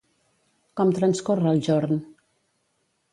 Com transcorre el jorn?